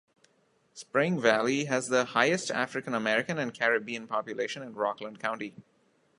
Spring Valley has the highest African American and Caribbean population in Rockland County.